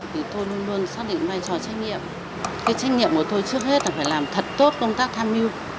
cái trách nhiệm của tôi trước hết là phải làm thật tốt công tác tham mưu